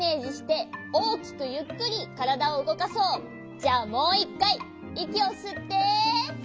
じゃあもういっかいいきをすって。